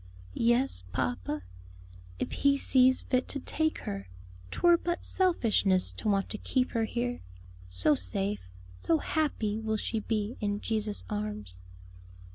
"Yes, papa if He sees fit to take her; 'twere but selfishness to want to keep her here. So safe, so happy will she be in Jesus' arms."